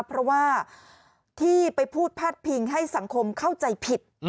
เพราะว่าที่ไปพูดพาดพิงให้สังคมเข้าใจผิด